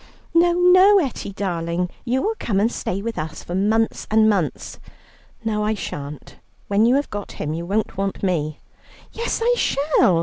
"No, no, Etty darling; you will come and stay with us for months and months." "No, I shan't. When you have got him you won't want me." "Yes, I shall.